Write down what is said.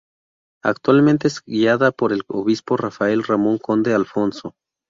Actualmente es guiada por el obispo Rafael Ramón Conde Alfonzo.